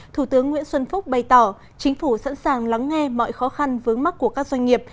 thủ tướng nguyễn xuân phúc bày tỏ chính phủ sẵn sàng lắng nghe mọi khó khăn vướng mắt của các doanh nghiệp